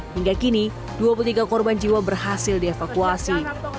hingga kini dua puluh tiga korban jiwa berhasil dievakuasi